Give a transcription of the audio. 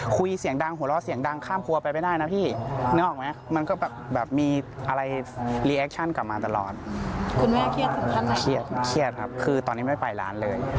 เครียดครับคือตอนนี้ไม่ไปร้านเลย